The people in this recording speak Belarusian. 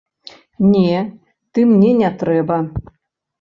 Не, ты мне не трэба.